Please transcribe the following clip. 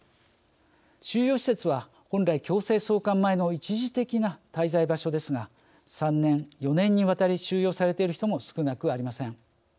収容施設は本来強制送還前の一時的な滞在場所ですが３年４年にわたり収容されている人も少なくありません。